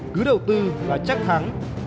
cứ đầu tư là chắc thắng